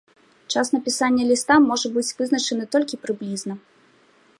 Час напісання ліста можа быць вызначаны толькі прыблізна.